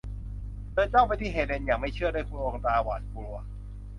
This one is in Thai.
เธอจ้องไปที่เฮเลนอย่างไม่เชื่อด้วยดวงตาหวาดกลัว